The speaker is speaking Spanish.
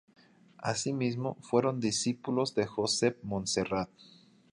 Asimismo, fueron discípulos de Josep Montserrat.